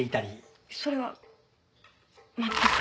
それは全く。